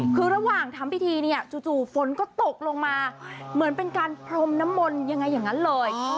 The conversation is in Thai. คือระหว่างทำพิธีเนี่ยจู่ฝนก็ตกลงมาเหมือนเป็นการพรมน้ำมนต์ยังไงอย่างนั้นเลย